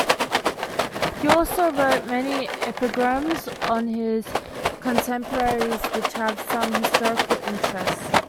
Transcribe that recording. He also wrote many epigrams on his contemporaries which have some historical interest.